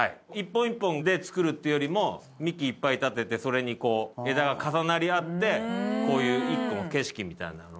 一本一本で作るっていうよりも幹いっぱい立ててそれにこう枝が重なりあってこういう一個の景色みたいな。